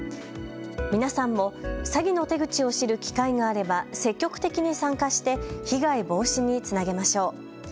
皆さんも詐欺の手口を知る機会があれば、積極的に参加して被害防止につなげましょう。